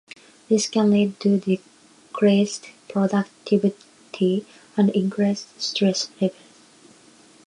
This can lead to decreased productivity and increased stress levels.